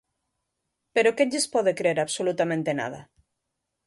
¿Pero quen lles pode crer absolutamente nada?